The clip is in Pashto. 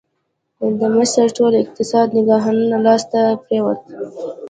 د مصر ټول اقتصاد د نهنګانو لاس ته پرېوت.